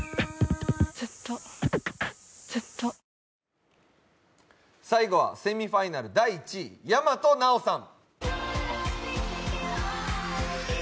ずっと、ずっと最後はセミファイナル第１位、大和奈央さん。